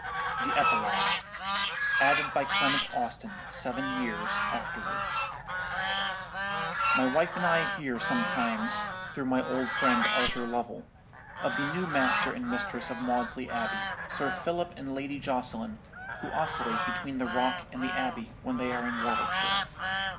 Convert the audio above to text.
_ THE EPILOGUE: ADDED BY CLEMENT AUSTIN SEVEN YEARS AFTERWARDS. "My wife and I hear sometimes, through my old friend Arthur Lovell, of the new master and mistress of Maudesley Abbey, Sir Philip and Lady Jocelyn, who oscillate between the Rock and the Abbey when they are in Warwickshire.